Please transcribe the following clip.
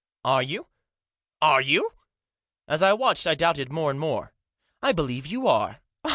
" Are you ? Are you ?" As I watched I doubted more and more. " I believe you are."